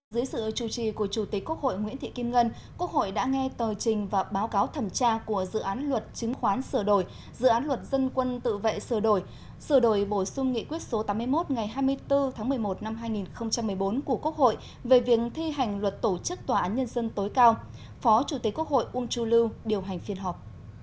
dưới sự chủ trì của chủ tịch quốc hội nguyễn thị kim ngân quốc hội đã nghe tờ trình và báo cáo thẩm tra của dự án luật chứng khoán sửa đổi dự án luật dân quân tự vệ sửa đổi sửa đổi bổ sung nghị quyết số tám mươi một ngày hai mươi bốn tháng một mươi một năm hai nghìn một mươi bốn của quốc hội về việc thi hành luật tổ chức tòa án nhân dân tối cao phó chủ tịch quốc hội ung chu lưu điều hành phiên họp